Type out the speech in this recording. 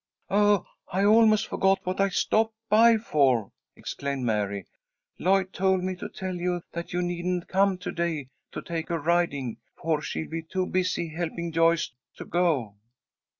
"Oh, I almost forgot what I stopped by for," exclaimed Mary. "Lloyd told me to tell you that you needn't come to day to take her riding, for she'll be too busy helping Joyce to go."